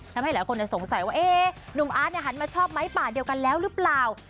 ทำให้หลายคนสงสัยว่าหนุ่มอาร์ตหันมาชอบไม้ป่าเดียวกันแล้วหรือเปล่า